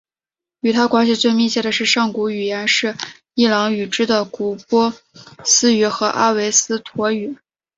与它关系最密切的上古语言是伊朗语支的古波斯语和阿维斯陀语。